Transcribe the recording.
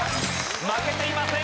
負けていません。